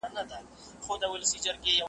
زما په عقیده د شعر پیغام .